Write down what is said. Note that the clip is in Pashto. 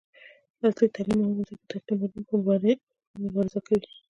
عصري تعلیم مهم دی ځکه چې د اقلیم بدلون پر وړاندې مبارزه کوي.